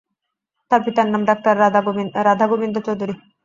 তাঁর পিতার নাম ডাক্তার রাধাগোবিন্দ চৌধুরী।